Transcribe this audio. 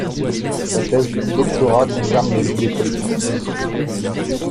Sa thèse de doctorat concerne les idées politiques.